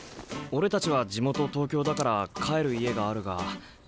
俺たちは地元東京だから帰る家があるが葦人は。